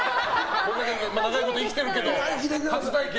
長いこと生きてるけど初体験？